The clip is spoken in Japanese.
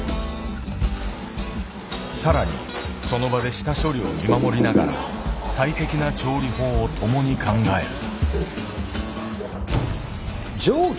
更にその場で下処理を見守りながら最適な調理法を共に考える。